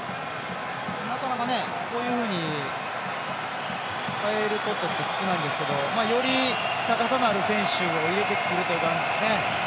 なかなか、こういうふうに代えることって少ないんですけどより高さのある選手を入れてくるという形ですね。